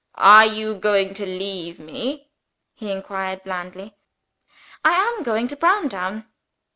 "Are you going to leave me?" he inquired blandly. "I am going to Browndown."